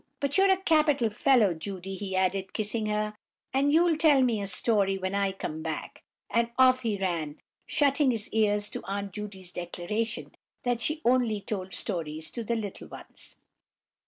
"But you're a capital fellow, Judy," he added, kissing her, "and you'll tell me a story when I come back;" and off he ran, shutting his ears to Aunt Judy's declaration that she only told stories to the "little ones."